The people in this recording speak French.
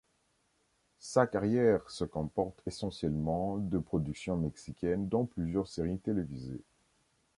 Sa carrière se compose essentiellement de productions mexicaines dont plusieurs séries télévisées.